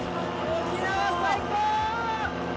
沖縄最高！